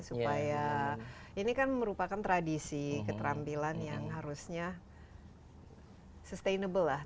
supaya ini kan merupakan tradisi keterampilan yang harusnya sustainable lah